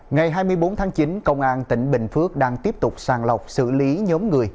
ngày hai mươi bốn tháng chín công an tỉnh bình phước đang tiếp tục sàng lọc xử lý nhóm người